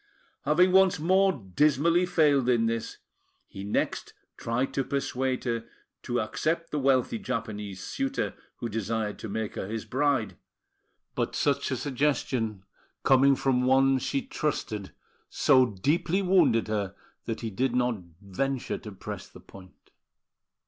Having once more dismally failed in this, he next tried to persuade her to accept the wealthy Japanese suitor who desired to make her his bride; but such a suggestion coming from one she trusted so deeply wounded her that he did not venture to press the point.